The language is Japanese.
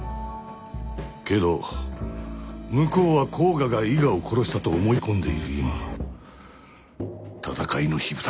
けど向こうは甲賀が伊賀を殺したと思い込んでいる今戦いの火ぶたが切られたのかもしれん。